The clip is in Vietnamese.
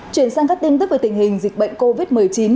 chuyển sang các tin tức về tình hình dịch bệnh covid một mươi chín